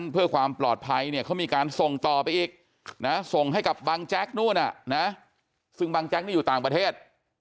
ไปอีกส่งให้กับบังแจ๊คนู่นน่ะซึ่งบังแจ๊คอยู่ต่างประเทศ